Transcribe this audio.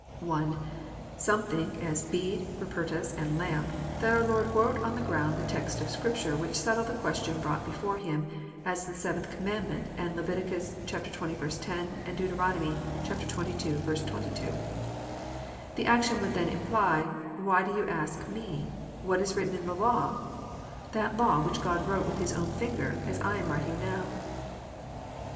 (1) Some think, as Bede, Rupertus, and Lampe, that our Lord wrote on the ground the texts of Scripture which settled the question brought before Him, as the seventh commandment, and Lev. XX. 10, and Deut. xxii. 22. The action would then imply, " Why do you ask me ? What is written in the law, that law which God wrote with His own finger as I am writing now?